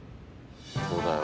そうだよ